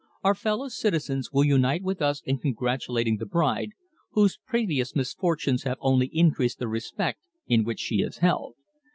Our fellow citizens will unite with us in congratulating the bride, whose previous misfortunes have only increased the respect in which she is held.